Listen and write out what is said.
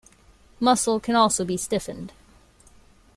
Muscle can also be stiffened.